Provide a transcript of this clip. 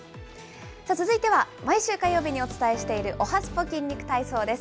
続いては、毎週火曜日にお伝えしている、おはＳＰＯ筋肉体操です。